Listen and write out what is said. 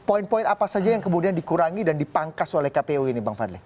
poin poin apa saja yang kemudian dikurangi dan dipangkas oleh kpu ini bang fadli